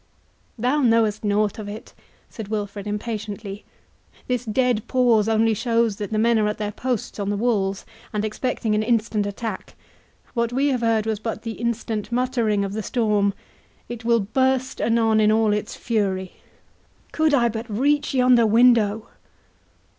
"Thou knowest nought of it," said Wilfred, impatiently; "this dead pause only shows that the men are at their posts on the walls, and expecting an instant attack; what we have heard was but the instant muttering of the storm—it will burst anon in all its fury.—Could I but reach yonder window!"